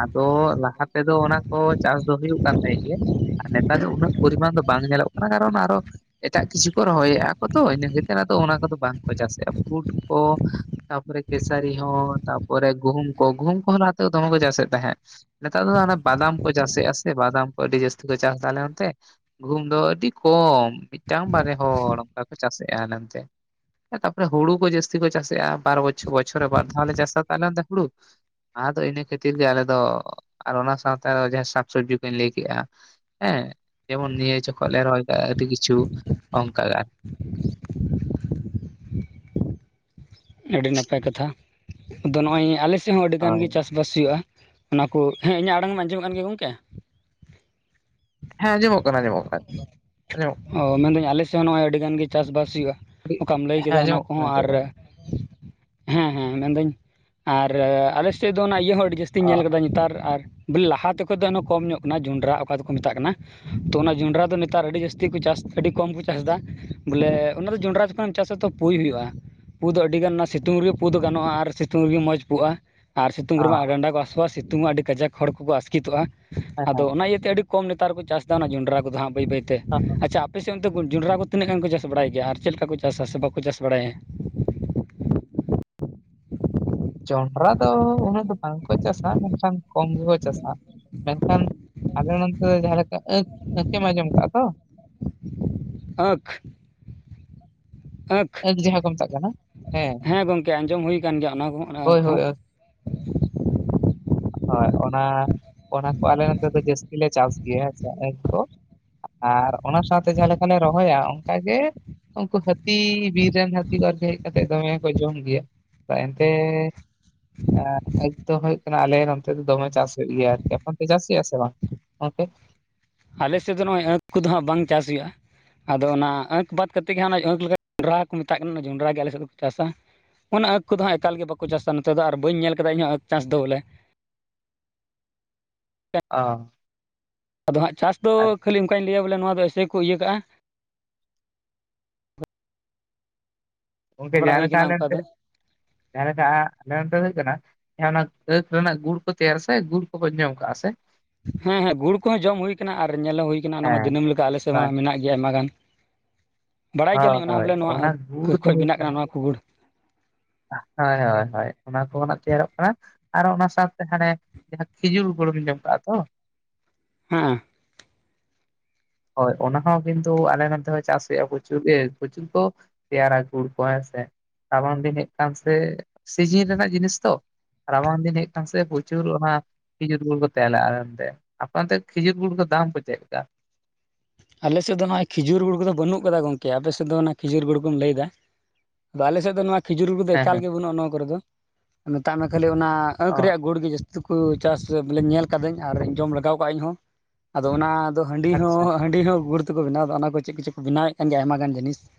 ᱟᱫᱚ ᱞᱟᱦᱟ ᱛᱮᱫᱚ ᱚᱱᱟ ᱠᱚ ᱪᱟᱥ ᱫᱚ ᱦᱩᱭᱩᱜ ᱠᱟᱱ ᱛᱟᱦᱮᱸᱫ ᱜᱮ ᱟᱨ ᱱᱮᱛᱟᱨ ᱫᱚ ᱩᱱᱟᱹᱜ ᱯᱚᱨᱤᱢᱟᱱ ᱫᱚ ᱵᱟᱝ ᱧᱮᱞᱚᱜ ᱠᱟᱱᱟ ᱠᱟᱨᱚᱱ ᱟᱨᱚ ᱮᱴᱟᱜ ᱠᱤᱪᱷᱩ ᱠᱚ ᱨᱚᱦᱚᱭᱮᱫᱼᱟ ᱠᱚ ᱛᱚ ᱤᱱᱟᱹ ᱠᱟᱛᱮᱫ ᱟᱫᱚ ᱚᱱᱟ ᱠᱚᱫᱚ ᱵᱟᱝᱠᱚ ᱪᱟᱥᱮᱫᱼᱟ ᱵᱩᱴ ᱠᱚ, ᱛᱯᱚᱨ ᱠᱮᱥᱟᱨᱤ ᱦᱚᱸ ᱛᱯᱚᱨ ᱜᱩᱦᱩᱢ ᱠᱚ ᱜᱩᱦᱩᱢ ᱠᱚ ᱦᱚᱸ ᱱᱚᱛᱮ ᱫᱚᱢᱮ ᱠᱚ ᱪᱟᱥ ᱮᱫ ᱛᱟᱦᱮᱸᱫ ᱱᱮᱛᱟᱨ ᱫᱚ ᱵᱟᱫᱟᱢ ᱠᱚ ᱪᱟᱥᱮᱫ-ᱟ ᱥᱮ ᱵᱟᱫᱟᱢ ᱠᱚ ᱟᱹᱰᱤ ᱡᱟᱹᱥᱛᱤ ᱠᱚ ᱪᱟᱥ ᱮᱫᱟ ᱟᱞᱮ ᱚᱱᱛᱮ ᱾ ᱜᱩᱦᱩᱢ ᱫᱚ ᱟᱹᱰᱤ ᱠᱚᱢ ᱢᱤᱫᱴᱟᱝ ᱵᱟᱨᱮ ᱦᱚᱲ ᱚᱱᱠᱟ ᱠᱚ ᱪᱟᱥᱮᱫ-ᱟ ᱟᱞᱮ ᱚᱱᱛᱮ ᱾ ᱤᱱᱟᱹ ᱛᱟᱯᱚᱨᱮ ᱦᱩᱲᱩ ᱠᱚ ᱡᱟᱹᱥᱛᱤ ᱠᱚ ᱪᱟᱥᱮᱫ-ᱟ ᱵᱟᱨ ᱵᱚᱪᱷᱚᱨ, ᱵᱚᱪᱷᱚᱨ ᱨᱮ ᱵᱟᱨᱫᱷᱟᱣ ᱞᱮ ᱪᱟᱥᱟ ᱛᱟᱦᱚᱞᱮ ᱦᱩᱲᱩ᱾ ᱟᱫᱚ ᱤᱱᱟᱹ ᱠᱷᱟᱹᱛᱤᱨ ᱜᱮ ᱟᱞᱮᱚ ᱫᱚ ᱟᱨ ᱚᱱᱟ ᱥᱟᱶᱛᱮ ᱡᱟᱦᱟᱸ ᱥᱟᱠᱥᱚᱵᱽᱡᱤ ᱠᱚᱧ ᱞᱟᱹᱭ ᱠᱮᱜ-ᱟ ᱾ ᱦᱮᱸ ᱡᱮᱢᱚᱱ ᱱᱤᱭᱟᱹ ᱡᱚᱠᱷᱚᱡ ᱞᱮ ᱨᱚᱦᱚᱭ ᱠᱮᱫᱟ ᱟᱹᱰᱤ ᱠᱤᱪᱷᱩ ᱚᱝᱠᱟ᱾ ᱟᱹᱰᱤ ᱱᱟᱯᱟᱭ ᱠᱟᱛᱷᱟ ᱟᱫᱚ ᱱᱚᱜ ᱚᱭ ᱟᱞᱮ ᱥᱮᱫ ᱦᱚᱸ ᱟᱹᱰᱤ ᱜᱟᱱ ᱜᱮ ᱦᱳᱭ ᱪᱟᱥ ᱵᱟᱥ *unintelligible* ᱚᱱᱟ ᱠᱚ ᱦᱮᱸ ᱤᱧᱟᱹᱜ ᱟᱲᱟᱝ ᱟᱧᱡᱚᱢᱚᱜ ᱠᱟᱱ ᱜᱮᱭᱟ ᱜᱚᱝᱠᱮ? ᱦᱮᱸ ᱟᱸᱡᱚᱢᱚᱜ ᱠᱟᱱᱟ ᱟᱸᱡᱚᱢᱚᱜ ᱠᱟᱱᱟ ᱟᱸᱡᱚᱢᱚᱜ ᱠᱟᱱᱟ ᱾ ᱚ ᱢᱮᱱᱮᱫᱟᱹᱧ ᱟᱞᱮᱥᱮᱫ ᱦᱚᱸ ᱟᱹᱰᱤ ᱜᱟᱱ ᱜᱮ ᱪᱟᱥ ᱵᱟᱥ ᱦᱩᱭᱩᱜᱼᱟ ᱠᱟᱹᱴᱤᱡ, ᱚᱠᱟᱢ ᱞᱟᱹᱭ ᱦᱮᱸ ᱠᱮᱫᱟ ᱚᱱᱟ ᱟᱸᱡᱚᱢᱚᱜ ᱠᱟᱱᱟ ᱠᱚᱦᱚᱸ ᱱᱤᱛᱚᱜ ᱟᱨ ᱫᱚ ᱦᱮᱸ ᱦᱮᱸ ᱢᱮᱱᱫᱟᱹᱧ, ᱟᱨ ᱟᱞᱮ ᱥᱮᱫ ᱫᱚ ᱚᱱᱟ ᱤᱭᱟᱹ ᱦᱚᱸ ᱟᱹᱰᱤ ᱡᱟᱹᱥ ᱛᱤᱧ ᱧᱮᱞ ᱠᱟᱫᱟ ᱱᱮᱛᱟᱨ ᱟᱨ ᱵᱚᱞ ᱞᱟᱦᱟᱛᱮ ᱠᱷᱚᱱ ᱫᱚ ᱮᱱᱚ ᱠᱚᱢ ᱧᱚᱜ ᱠᱟᱱᱟ ᱡᱚᱸᱰᱨᱟ ᱚᱠᱟ ᱫᱚᱠᱚ ᱢᱮᱛᱟᱜ ᱠᱟᱱᱟ, ᱛᱚ ᱚᱱᱟ ᱡᱚᱸᱰᱨᱟ ᱫᱚ ᱱᱮᱛᱟᱨ ᱟᱹᱰᱤ ᱡᱟᱹᱥ ᱛᱤ ᱠᱚ ᱪᱟᱥ ᱟᱹᱰᱤ ᱠᱚᱢ ᱠᱚ ᱪᱟᱥ ᱫᱟ, ᱵᱚᱞᱮ ᱚᱱᱟ ᱫᱚ ᱡᱚᱱᱰᱨᱟ ᱡᱚᱠᱷᱚᱱᱮᱢ ᱪᱟᱥᱟ ᱛᱚ ᱯᱩᱭ ᱦᱩᱭᱩᱜᱼᱟ ᱾ ᱯᱩ ᱫᱚ ᱟᱹᱰᱤ ᱜᱟᱱ ᱚᱱᱟ ᱥᱤᱛᱩᱝ ᱨᱮᱜᱮ ᱯᱩ ᱫᱚ ᱜᱟᱱᱚᱜᱼᱟ ᱟᱨ ᱥᱤᱛᱩᱝ ᱨᱮᱜᱮ ᱢᱚᱡᱽ ᱯᱩᱜᱼᱟ ᱾ ᱟᱨ ᱥᱤᱛᱩᱝ ᱨᱮᱢᱟ ᱦᱮᱸ ᱰᱟᱸᱰᱟ ᱠᱚ ᱦᱟᱥᱩᱣᱟ ᱥᱤᱛᱩᱝ ᱦᱚᱸ ᱟᱹᱰᱤ ᱠᱟᱡᱟᱠ ᱦᱚᱲ ᱠᱚᱠᱚ ᱟᱥᱠᱤᱛᱚᱜᱼᱟ ᱟᱫᱚ ᱦᱮᱸ ᱚᱱᱟ ᱤᱭᱟᱹᱛᱮ ᱟᱹᱰᱤ ᱠᱚᱢ ᱱᱮᱛᱟᱨ ᱠᱚᱠᱚ ᱪᱟᱥᱫᱟ ᱚᱱᱟ ᱡᱚᱸᱰᱨᱟ ᱠᱚᱫᱚ ᱦᱟᱸᱜ ᱵᱟᱹᱭ ᱵᱟᱹᱭ ᱛᱮ ᱾ *unintelligible* ᱟᱯᱮ ᱥᱮᱜ ᱚᱱᱛᱮ ᱡᱚᱸᱰᱨᱟ ᱠᱚ ᱛᱤᱱᱟᱹᱜ ᱜᱟᱱ ᱠᱚ ᱪᱟᱥ ᱵᱟᱲᱟᱭ ᱜᱮᱭᱟ, ᱟᱨ ᱪᱮᱜ ᱞᱮᱠᱟ ᱠᱚ ᱪᱟᱥ ᱥᱮ ᱵᱟᱠᱚ ᱪᱟᱥ ᱵᱟᱲᱟᱭᱟ ᱾ ᱡᱚᱱᱰᱨᱟ ᱫᱚ ᱩᱱᱟᱹᱜ ᱫᱚ ᱵᱟᱝᱠᱚ ᱪᱟᱥᱟ ᱢᱮᱱᱠᱷᱟᱱ, ᱠᱚᱢ ᱜᱮᱠᱚ ᱪᱟᱥᱟ ᱾ ᱢᱮᱱᱠᱷᱟᱱ ᱟᱞᱮ ᱱᱚᱱᱛᱮ ᱫᱚ ᱡᱟᱦᱟᱸ ᱞᱮᱠᱟ ᱟᱸᱠᱷ ᱟᱸᱡᱚᱢ ᱠᱟᱜᱼᱟ ᱛᱚ ᱾ ᱟᱸᱠᱷ ᱟᱸᱠ ᱾ ᱟᱸᱠᱷ ᱡᱟᱦᱟᱸ ᱠᱚ ᱢᱮᱛᱟᱜ ᱠᱟᱱᱟ ᱦᱮᱸ ᱜᱚᱢᱠᱮ ᱟᱸᱡᱚᱢ ᱦᱩᱭ ᱟᱠᱟᱱ ᱜᱮᱭᱟ ᱚᱱᱟ ᱠᱚᱦᱚᱸ ᱦᱳᱭ ᱟᱸᱠᱷ ᱦᱳᱭ ᱦᱚᱸ ᱟᱸᱠ ᱾ ᱦᱚᱭ ᱚᱱᱟ, ᱚᱱᱟ ᱠᱚ ᱟᱞᱮ ᱚᱱᱛᱮ ᱫᱚ ᱡᱟᱹᱥ ᱜᱮᱞᱮ ᱪᱟᱥ ᱜᱮᱭᱟ ᱦᱮᱸ ᱥᱮ ᱟᱸᱠ ᱠᱚ ᱾ ᱟᱨ ᱚᱱᱟ ᱥᱟᱶᱛᱮ ᱡᱟᱦᱟᱸ ᱞᱮᱠᱟᱞᱮ ᱨᱚᱦᱚᱭᱟ ᱚᱝᱠᱟᱜᱮ ᱩᱝᱠᱩ ᱦᱟᱹᱛᱤ ᱵᱤᱨ ᱨᱮᱱ ᱦᱟᱹᱛᱤ ᱠᱚ ᱟᱨ ᱠᱤ ᱦᱮᱡ ᱠᱟᱛᱮ ᱫᱚᱢᱮ ᱠᱚ ᱡᱚᱢ ᱜᱮᱭᱟ, ᱛᱟ ᱮᱱᱛᱮ ᱟᱸ ᱟᱸᱠᱷ ᱫᱚ ᱦᱳᱭᱳᱜ ᱠᱟᱱᱟ ᱟᱞᱮ ᱱᱚᱱᱛᱮ ᱫᱚ ᱫᱚᱢᱮ ᱪᱟᱥ ᱦᱳᱭᱳᱜ ᱜᱮᱭᱟ ᱟᱨᱠᱤ ᱟᱯᱮ ᱚᱱᱛᱮ ᱪᱟᱥ ᱦᱳᱭᱳᱜᱼᱟ ᱥᱮ ᱵᱟᱝ? *unintelligible* ᱟᱞᱮ ᱥᱮᱫ ᱫᱚ ᱱᱚᱜᱼᱚᱭ ᱟᱸᱠᱷ ᱠᱚᱫᱚ ᱦᱟᱸᱜ ᱵᱟᱝ ᱪᱟᱥ ᱦᱳᱭᱳᱜᱼᱟ ᱾ ᱟᱫᱚ ᱚᱱᱟ ᱟᱸᱠ ᱵᱟᱫ ᱠᱟᱛᱮᱫ ᱜᱮᱠᱚ ᱚᱸᱰᱨᱟ ᱠᱚ ᱢᱮᱛᱟᱜ ᱠᱟᱱᱟ ᱚᱱᱟ ᱡᱚᱸᱰᱨᱟ ᱜᱮ ᱟᱞᱮ ᱥᱮᱜ ᱠᱚ ᱪᱟᱥᱟ ᱾ ᱚᱱᱟ ᱟᱸᱠ ᱠᱚᱫᱚ ᱦᱟᱸᱜ ᱮᱠᱟᱞ ᱜᱮ ᱵᱟᱠᱚ ᱪᱟᱥᱟ ᱱᱚᱛᱮ ᱫᱚ ᱟᱨ ᱵᱟᱹᱧ ᱧᱮᱞ ᱠᱟᱫᱟ ᱤᱧ ᱦᱚᱸ ᱟᱸᱠ ᱪᱟᱥ ᱫᱚ ᱵᱚᱞᱮ ᱾ ᱚ ᱟᱫᱚ ᱦᱟᱸᱜ ᱪᱟᱥ ᱫᱚ ᱟᱪᱪᱷᱟ ᱠᱷᱟᱹᱞᱤ ᱚᱝᱠᱟᱧ ᱞᱟᱹᱭᱟ ᱵᱚᱞᱮ ᱱᱚᱣᱟ ᱫᱚ ᱮᱥᱮ ᱠᱚ ᱤᱭᱟᱹ ᱠᱟᱜᱼᱟ᱾ ᱜᱚᱝᱠᱮ ᱵᱟᱲᱟ ᱡᱟᱦᱟᱸ ᱦᱩᱭ ᱞᱮᱠᱟ ᱟᱠᱟᱱᱟ ᱚᱱᱠᱟ ᱚᱱᱛᱮ, ᱫᱚ ᱡᱟᱦᱟᱸ ᱞᱮᱠᱟ ᱟᱞᱮ ᱚᱱᱛᱮ ᱦᱳᱭᱳᱜ ᱠᱟᱱᱟ *unintelligible* ᱚᱱᱟ ᱟᱹᱫ ᱨᱮᱱᱟᱜ ᱜᱩᱲ ᱠᱚ ᱛᱮᱭᱟᱨ ᱥᱮ ᱜᱩᱲ ᱠᱚᱵᱚᱱ ᱡᱚᱢ ᱠᱟᱜᱼᱟ ᱥᱮ ᱾ ᱦᱮᱸ ᱦᱮᱸ ᱜᱩᱲ ᱠᱚᱦᱚᱸ ᱡᱚᱢ ᱦᱩᱭ ᱠᱟᱱᱟ ᱟᱨ ᱧᱮᱞ ᱦᱚᱸ ᱦᱩᱭ ᱠᱟᱱᱟ ᱚᱱᱟ ᱢᱟ ᱦᱮᱸ ᱫᱤᱱᱟᱹᱢ ᱞᱮᱠᱟ ᱟᱞᱮ ᱥᱮᱫ ᱢᱟ ᱦᱳᱭ ᱢᱮᱱᱟᱜ᱾ ᱟᱭᱢᱟ ᱜᱟᱱ, ᱵᱟᱲᱟᱭ ᱦᱳᱭ ᱜᱮᱭᱟᱞᱤᱧ ᱚᱱᱟ ᱦᱚᱸ ᱦᱳᱭ ᱵᱚᱞᱮ ᱱᱚᱣᱟ ᱚᱱᱟ ᱜᱩᱲ ᱟᱸᱠᱷ ᱠᱷᱚᱡ ᱵᱮᱱᱟᱜ ᱠᱟᱱᱟ ᱱᱚᱣᱟ ᱠᱩ ᱜᱩᱲ ᱾ ᱦᱚᱭ ᱦᱚᱭ ᱦᱚᱭ ᱚᱱᱟ ᱠᱚᱱᱟᱜ ᱛᱮᱭᱟᱨᱚᱜ ᱠᱟᱱᱟ ᱾ ᱟᱨ ᱚᱱᱟ ᱥᱟᱶᱛᱮ ᱦᱟᱱᱮ ᱡᱟᱦᱟᱸ ᱠᱷᱤᱡᱩᱨ ᱜᱩᱲᱮᱢ ᱡᱚᱢ ᱠᱟᱜᱼᱟ ᱛᱚ᱾ ᱦᱮᱸ ᱦᱚᱭ ᱚᱱᱟ ᱦᱚᱸ ᱠᱤᱱᱛᱩ ᱟᱞᱮ ᱱᱚᱱᱛᱮ ᱦᱚᱸ ᱪᱟᱥ ᱦᱩᱭᱩᱜᱼᱟ ᱯᱚᱧ *unintelligible* ᱛᱮᱭᱟᱨᱟ ᱜᱩᱲ ᱠᱚ ᱦᱮᱸ ᱥᱮ᱾ ᱨᱟᱵᱟᱝ ᱫᱤᱱ ᱦᱮᱡ ᱠᱟᱱ ᱥᱮ, ᱥᱤᱡᱤᱱ ᱨᱮᱱᱟᱜ ᱡᱤᱱᱤᱥ ᱛᱚ ᱾ ᱨᱟᱵᱟᱝ ᱫᱤᱱ ᱦᱮᱡ ᱠᱟᱱ ᱥᱮ ᱯᱩᱪᱩᱨ ᱚᱱᱟ ᱠᱷᱤᱡᱩᱨ ᱜᱩᱲ ᱠᱚ ᱛᱮᱭᱟᱞᱟ ᱚᱱᱛᱮ ᱟᱯᱮ ᱚᱱᱛᱮ ᱠᱷᱤᱡᱩᱨ ᱜᱩᱲ ᱠᱚ ᱫᱟᱢ ᱠᱚ ᱪᱮᱜ ᱞᱮᱠᱟ? ᱟᱞᱮ ᱥᱮᱫ ᱫᱚ ᱱᱚᱜᱚᱭ ᱠᱷᱤᱡᱩᱨ ᱜᱩᱲ ᱠᱚᱫᱚ ᱵᱟᱹᱱᱩᱜ ᱠᱟᱫᱟ ᱜᱚᱝᱠᱮ ᱟᱯᱮᱥᱮᱫ ᱫᱚ ᱚᱱᱟ ᱠᱷᱤᱡᱩᱨ ᱜᱩᱲ ᱠᱚᱢ ᱞᱟᱹᱭᱫᱟ ᱾ ᱟᱫᱚ ᱟᱞᱮ ᱥᱮᱫ ᱫᱚ ᱱᱚᱣᱟ ᱠᱷᱤᱡᱩᱨ ᱠᱚᱫᱚ ᱦᱮᱸ ᱮᱠᱟᱞ ᱦᱮᱸ ᱜᱮ ᱵᱟᱹᱲᱩᱜᱼᱟ ᱱᱟᱣᱟ ᱠᱚᱨᱮ ᱫᱚ, ᱢᱮᱛᱟᱜ ᱢᱮ ᱠᱷᱟᱹᱞᱤ ᱚᱱᱟ ᱚ ᱟᱸᱠᱷ ᱨᱮᱭᱟᱜ ᱜᱩᱲ ᱜᱮ ᱡᱟᱹᱥ *unintelligible* ᱪᱟᱥ ᱵᱚᱞᱮ ᱧᱮᱞ ᱠᱟᱫᱟᱹᱧ ᱟᱨ ᱡᱚᱢ ᱞᱟᱜᱟᱣ ᱠᱟᱜᱼᱟᱹᱧ ᱤᱧᱦᱚᱸ ᱾ ᱟᱫᱚ ᱚᱱᱟ ᱫᱚ ᱦᱟᱺᱰᱤ ᱦᱚᱸ ᱟᱪᱪᱷᱟ ᱦᱟᱺᱰᱤ ᱦᱚᱸ ᱜᱩᱲ ᱛᱮᱠᱚ ᱵᱮᱱᱟᱣ ᱟ ᱚᱱᱟ ᱠᱚ ᱪᱮᱫ ᱠᱚᱪᱚ ᱠᱚ ᱵᱮᱱᱟᱣᱮᱫ ᱠᱟᱱ ᱜᱮᱭᱟ ᱟᱭᱢᱟ ᱜᱟᱱ ᱡᱤᱱᱤᱥ ᱾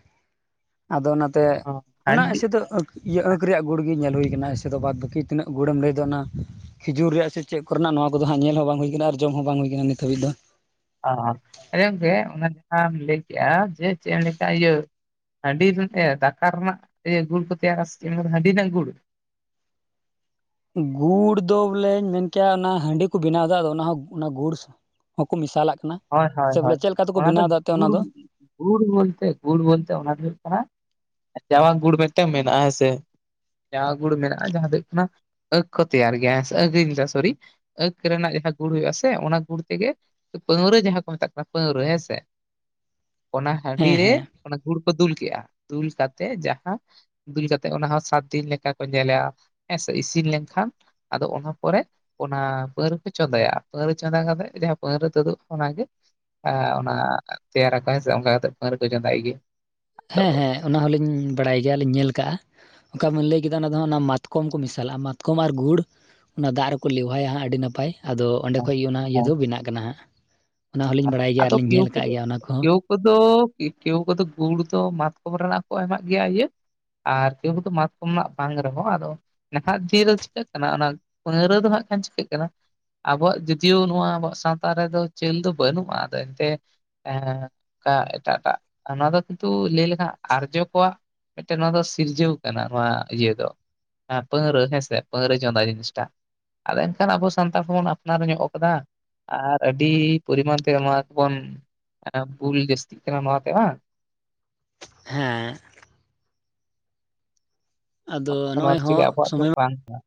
ᱟᱫᱚ ᱚᱱᱟᱛᱮ ᱚ ᱚᱱᱟ ᱦᱟᱺᱰᱤ ᱮᱥᱮ ᱫᱚ ᱟᱸ ᱤᱭᱟᱹ ᱟᱸᱠ ᱨᱮᱭᱟᱜ ᱜᱩᱲ ᱜᱮ ᱧᱮᱞ ᱦᱩᱭ ᱟᱠᱟᱱᱟ ᱫᱚ ᱵᱟᱫ ᱵᱟᱹᱠᱤ ᱛᱤᱱᱟᱹᱜ ᱜᱩᱲᱮᱢ ᱞᱟᱹᱭᱫᱟ ᱚᱱᱟ ᱠᱷᱤᱡᱩᱨ ᱨᱮᱭᱟᱜ ᱥᱮ ᱪᱮᱫ ᱠᱚᱨᱮᱱᱟᱜ ᱱᱚᱣᱟ ᱠᱚᱫᱚ ᱦᱟᱸᱜ ᱧᱮᱞ ᱦᱚᱸ ᱵᱟᱝ ᱦᱩᱭ ᱠᱟᱱᱟ ᱟᱨ ᱡᱚᱢ ᱦᱚᱸ ᱵᱟᱝ ᱦᱩᱭ ᱠᱟᱱᱟ ᱱᱤᱛ ᱦᱟᱹᱵᱤᱡ ᱫᱚ᱾ ᱚ ᱚᱝᱠᱮ ᱚᱱᱟ ᱡᱟᱦᱟᱸᱢ ᱞᱟᱹᱭ ᱠᱮᱜᱼᱟ ᱡᱮ ᱪᱮᱜ ᱮᱢ ᱞᱟᱹᱭ ᱠᱮᱜᱼᱟ ᱤᱭᱟᱹ ᱦᱟᱺᱰᱤ ᱨᱮᱱᱟᱜ ᱫᱟᱠᱟᱨ ᱨᱮᱱᱟᱜ ᱜᱩᱲ ᱠᱚ ᱛᱮᱭᱟᱨ ᱥᱮ ᱦᱟᱺᱰᱤ ᱨᱮᱱᱟᱜ ᱜᱩᱲ᱾ ᱜᱩᱲ ᱫᱚ ᱵᱚᱞᱮᱧ ᱢᱮᱱᱠᱮᱭᱟ ᱚᱱᱟ ᱦᱟᱺᱰᱤ ᱠᱚ ᱵᱮᱱᱟᱣ ᱮᱫᱟ ᱟᱫᱚ ᱚᱱᱟ ᱦᱚᱸ ᱚᱱᱟ ᱜᱩᱲ ᱦᱚᱸᱠᱚ ᱢᱮᱥᱟᱞᱟᱜ ᱠᱟᱱᱟ, ᱦᱚᱭ ᱦᱚᱭ ᱥᱮ ᱵᱚᱞᱮ ᱦᱚᱭ ᱪᱮᱫ ᱞᱮᱠᱟ ᱛᱮᱠᱚ ᱚᱱᱟ ᱫᱚ ᱵᱮᱱᱟᱣᱫᱟ ᱮᱱᱛᱮᱫ ᱚᱱᱟ ᱫᱚ ᱜᱩᱲ, ᱜᱩᱲ ᱵᱚᱞᱛᱮ ᱜᱩᱲ ᱵᱚᱞᱛᱮ ᱚᱱᱟ ᱫᱚ ᱦᱩᱭᱩᱜ ᱠᱟᱱᱟ ᱡᱟᱣᱟ ᱜᱩᱲ ᱢᱤᱫ ᱴᱟᱝ ᱢᱮᱱᱟᱜᱼᱟ ᱦᱮᱸᱥᱮ ᱡᱟᱦᱟᱸ ᱜᱩᱲ ᱢᱮᱱᱟᱜᱼᱟ ᱡᱟᱦᱟᱸ ᱫᱚ ᱦᱩᱭᱩᱜ ᱠᱟᱱᱟ ᱟᱸᱠᱷ ᱠᱚ ᱛᱮᱭᱟᱨ ᱜᱮᱭᱟᱥ ᱦᱮ ᱥᱮ ᱟᱸᱠᱷ ᱥᱚᱨᱤ ᱟᱸᱠ ᱨᱮᱱᱟᱜ ᱡᱟᱦᱟᱸ ᱜᱩᱲ ᱦᱩᱭᱩᱜ ᱟ ᱥᱮ ᱚᱱᱟ ᱜᱩᱲ ᱛᱮᱜᱮ, ᱯᱟᱹᱶᱨᱟᱹ ᱡᱟᱦᱟᱸ ᱠᱚ ᱢᱮᱛᱟᱜ ᱠᱟᱱᱟ ᱯᱟᱹᱶᱨᱟᱹ ᱦᱮᱸ ᱥᱮ ᱚᱱᱟ ᱦᱟᱺᱰᱤ ᱦᱮᱸ ᱨᱮ, ᱦᱮᱸ ᱚᱱᱟ ᱜᱩᱲ ᱠᱚ ᱫᱩᱞ ᱠᱼᱟ ᱫᱩᱞ ᱠᱟᱛᱮ ᱡᱟᱦᱟᱸ ᱫᱩᱞ ᱠᱟᱛᱮᱫ ᱚᱱᱟ ᱦᱚᱸ ᱥᱟᱛ ᱫᱤᱱ ᱞᱮᱠᱟ ᱠᱚ ᱧᱮᱞᱞᱟ ᱦᱮᱸ ᱥᱮ ᱤᱥᱤᱱ ᱞᱮᱱᱠᱷᱟᱱ, ᱟᱫᱚ ᱚᱱᱟ ᱯᱚᱨᱮ ᱚᱱᱟ ᱯᱟᱹᱣᱨᱟᱹ ᱠᱚ ᱪᱚᱸᱫᱟᱭᱟ ᱯᱟᱹᱣᱨᱟᱹ ᱪᱚᱸᱫᱟ ᱠᱟᱛᱮᱫ ᱡᱟᱦᱟᱸ ᱯᱟᱹᱣᱨᱟᱹ ᱛᱩᱫᱩᱜ ᱚᱱᱟᱜᱮ ᱚᱱᱟ ᱛᱮᱭᱟ ᱨᱟᱠᱚ ᱦᱮᱥᱮ ᱚᱱᱠᱟ ᱠᱟᱛᱮ ᱯᱟᱹᱣᱟᱹ ᱠᱚ ᱪᱚᱸᱫᱟᱭ ᱜᱮ ᱦᱮᱸ ᱦᱮᱸ ᱚᱱᱟ ᱦᱚᱸᱞᱤᱧ ᱵᱟᱲᱟᱭ ᱜᱮᱭᱟ ᱞᱤᱧ ᱧᱮᱞ ᱠᱟᱜᱼᱟ, ᱚᱱᱠᱟ ᱵᱤᱱ ᱞᱟᱹᱭ ᱠᱮᱫᱟ ᱚᱱᱟ ᱫᱚ ᱚᱱᱟ ᱢᱟᱛᱠᱚᱢ ᱠᱚ ᱢᱮᱥᱟ ᱞᱟᱜᱼᱟ ᱢᱟᱛᱠᱚᱢ ᱟᱨ ᱜᱩᱲ, ᱚᱱᱟ ᱫᱟᱜ ᱨᱮᱠᱚ ᱞᱮᱣᱦᱟᱭᱟ ᱦᱟᱸᱜ ᱟᱹᱰᱤ ᱱᱟᱯᱟᱭ ᱟᱫᱚ ᱚᱸᱰᱮ ᱠᱷᱚᱡ ᱜᱮ ᱚᱱᱟ ᱟᱫᱚ ᱤᱭᱟᱹ ᱫᱚ ᱵᱮᱱᱟᱜ ᱠᱟᱱᱟ ᱦᱟᱸᱜ᱾ ᱚᱱᱟ ᱦᱚᱸᱞᱤᱧ ᱵᱟᱲᱟᱭ ᱜᱮᱭᱟ ᱟᱨ ᱟᱫᱚ ᱞᱤᱧ ᱠᱮᱣ ᱧᱮᱞ ᱠᱟᱜ ᱠᱚᱫᱚ ᱜᱮᱭᱟ ᱚᱱᱟ ᱠᱚᱦᱚᱸ ᱠᱮᱣ ᱠᱚᱫᱚ ᱠᱮᱣ ᱠᱚᱫᱚ ᱜᱩᱲ ᱫᱚ ᱢᱟᱛᱠᱚᱢ ᱨᱮᱱᱟᱜ ᱠᱚ ᱮᱢᱟᱜ ᱜᱮᱭᱟ ᱤᱭᱟᱹ ᱟᱨ ᱛᱮᱣ ᱠᱚᱫᱚ ᱢᱟᱛᱠᱚᱢ ᱨᱮᱱᱟᱜ ᱵᱟᱝ ᱨᱮᱦᱚᱸ ᱟᱫᱚ, ᱱᱟᱦᱟᱜ ᱫᱤᱱ ᱨᱮ ᱪᱤᱠᱟᱹᱜ ᱠᱟᱱᱟ ᱚᱱᱟ ᱯᱟᱣᱨᱟᱹ ᱫᱚ ᱦᱟᱸᱜ ᱠᱷᱟᱱ ᱪᱤᱠᱟᱹᱜ ᱠᱟᱱᱟ, ᱟᱵᱚᱣᱟᱜ ᱡᱩᱫᱤᱭᱳ ᱱᱚᱣᱟ ᱟᱵᱚᱣᱟᱜ ᱥᱟᱶᱛᱟ ᱨᱮᱫᱚ ᱪᱟᱹᱞ ᱫᱚ ᱵᱟᱹᱱᱩᱜᱼᱟ ᱟᱫᱚ ᱮᱱᱛᱮ, ᱮ ᱚᱱᱠᱟ ᱮᱴᱟᱜ ᱮᱴᱟᱜ ᱚᱱᱟ ᱫᱚ ᱠᱤᱱᱛᱩ ᱞᱟᱹᱭ ᱞᱮᱠᱷᱟᱱ ᱟᱨᱡᱚ ᱠᱚᱣᱟᱜ, ᱢᱤᱫ ᱴᱮᱱ ᱱᱚᱣᱟ ᱫᱚ ᱥᱤᱨᱡᱟᱹᱣ ᱠᱟᱱᱟ ᱱᱚᱣᱟ ᱤᱭᱟᱹ ᱫᱚ, ᱯᱟᱣᱨᱟᱹ ᱦᱮᱸᱥᱮ ᱯᱟᱣᱨᱟᱹ ᱪᱚᱸᱫᱟ ᱡᱤᱱᱤᱥ ᱴᱟᱜ ᱟᱫᱚ ᱮᱱᱠᱷᱟᱱ ᱟᱵᱚ ᱥᱟᱱᱛᱟᱲ ᱠᱚᱵᱚᱱ ᱟᱯᱱᱟᱨ ᱧᱚᱜ ᱠᱟᱫᱟ ᱟᱨ ᱟᱹᱰᱤ ᱯᱚᱨᱤᱢᱟᱱ ᱛᱮ ᱱᱚᱣᱟ ᱠᱚᱵᱚᱱ ᱵᱷᱩᱞ ᱡᱟᱹᱥᱛᱤᱜ ᱠᱟᱱᱟ ᱱᱚᱣᱟ ᱛᱮ ᱵᱟᱝ ᱦᱮᱸ ᱟᱫᱚ ᱟᱵᱚ ᱫᱚ ᱱᱚᱣᱟ ᱱᱚᱜᱼᱚᱭ ᱫᱚ ᱦᱚᱸ ᱪᱤᱠᱟᱹᱭᱟ ᱟᱵᱚᱣᱟᱜ ᱥᱚᱢᱚᱭ ᱢᱟ ᱫᱚ ᱵᱟᱝ ᱠᱟᱱᱟ,